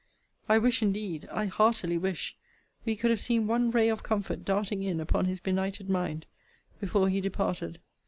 I wish indeed, I heartily wish, we could have seen one ray of comfort darting in upon his benighted mind, before he departed.